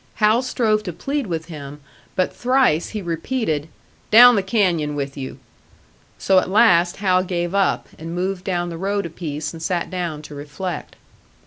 Hal strove to plead with him, but thrice he repeated, "Down the canyon with you." So at last Hal gave up, and moved down the road a piece and sat down to reflect.